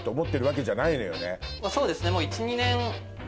そうですね。